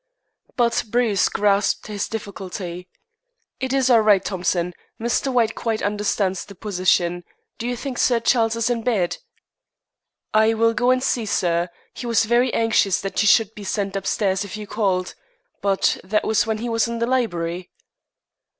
But Bruce grasped his difficulty. "It is all right, Thompson. Mr. White quite understands the position. Do you think Sir Charles is in bed?" "I will go and see, sir. He was very anxious that you should be sent upstairs if you called. But that was when he was in the library."